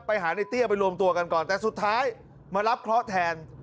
ไปหาในเตี้ยไปรวมตัวกันก่อนแต่สุดท้ายมารับเคราะห์แทน